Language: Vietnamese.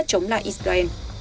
chống lại israel